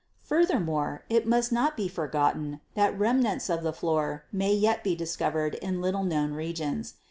Furthermore, it must not be forgotten that remnants of the floor may yet be discovered in little known regions.